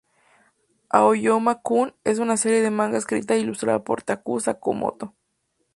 Aoyama kun, es una serie de manga escrita e ilustrada por Taku Sakamoto.